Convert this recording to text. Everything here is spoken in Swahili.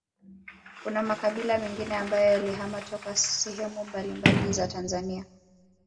Kuna makabila mengine ambayo yalihamia toka sehemu mbambali za Tanzania